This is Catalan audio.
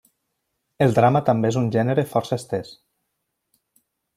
El drama també és un gènere força estès.